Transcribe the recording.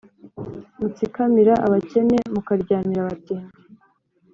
mutsikamira abakene, mukaryamira abatindi,